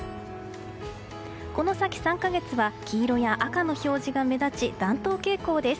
この先３か月は黄色や赤の表示が目立ち暖冬傾向です。